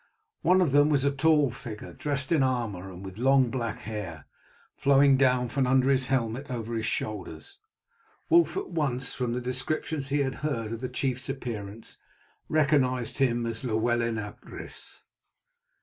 One of them was a tall figure, dressed in armour, and with long black hair flowing down from under his helmet over his shoulders. Wulf at once, from the descriptions he had heard of the chief's appearance, recognized him as Llewellyn ap Rhys.